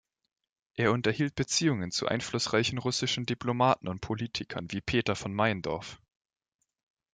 Er unterhielt Beziehungen zu einflussreichen russischen Diplomaten und Politikern wie Peter von Meyendorff.